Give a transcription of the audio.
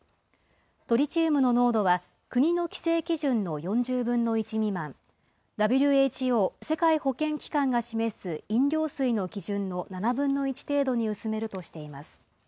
トリチウムの濃度は、国の規制基準の４０分の１未満、ＷＨＯ・世界保健機関が示す飲料水の基準の７分の１程度に薄めるとしています。